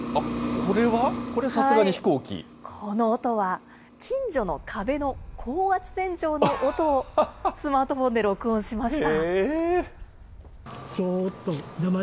これ、この音は、近所の壁の高圧洗浄の音をスマートフォンで録音しました。